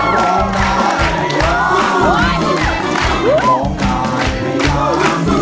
รับรอยสองหมื่น